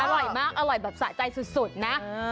อร่อยมากสะใจสุดนะ